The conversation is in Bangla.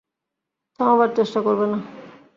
থামাবার চেষ্টা করবে না।